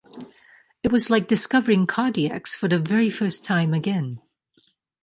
It was like discovering Cardiacs for the very first time again.